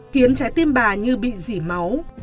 khiến trái tim bà như bị dỉ máu